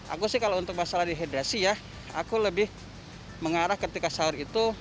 aku sih kalau untuk masalah dehidrasi ya aku lebih mengarah ketika sahur itu